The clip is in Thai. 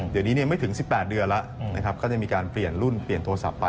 เดี๋ยวนี้ไม่ถึง๑๘เดือนแล้วก็จะมีการเปลี่ยนรุ่นเปลี่ยนโทรศัพท์ไป